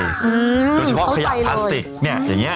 โดยเฉพาะขยะพลาสติกเนี่ยอย่างนี้